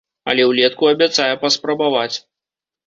Але ўлетку абяцае паспрабаваць.